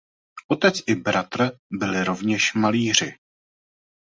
Otec i bratr byli rovněž malíři.